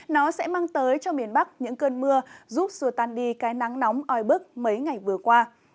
nó sẽ mang tới cho miền bắc những cơn mưa giúp xua tan đi cái nắng nóng oi bức mấy ngày vừa qua